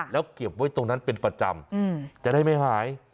แล้วเก็บไว้ตรงนั้นเป็นประจำจะได้ไม่หาย